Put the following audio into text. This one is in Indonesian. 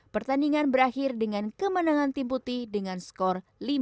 pertandingan berakhir dengan kemenangan tim putih dengan skor lima